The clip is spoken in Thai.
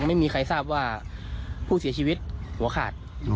ไม่มีใครทราบว่าผู้เสียชีวิตหัวขาด